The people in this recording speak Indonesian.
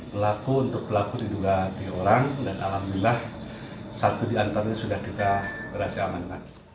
pelaku untuk pelaku diduga tiga orang dan alhamdulillah satu di antaranya sudah kita berhasil amankan